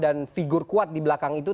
dan figur kuat di belakang itu